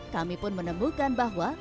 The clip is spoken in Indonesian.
kami pun menemukan bahwa